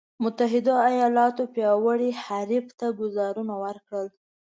متحدو ایالتونو پیاوړي حریف ته ګوزارونه ورکړل.